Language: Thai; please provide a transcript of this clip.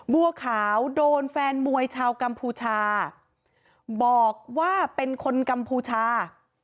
บัวขาวโดนแฟนมวยชาวกัมพูชาบอกว่าเป็นคนกัมพูชา